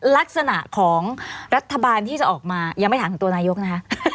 ลักษณะของรัฐบาลที่จะออกมายังไม่ถามถึงตัวนายกนะคะ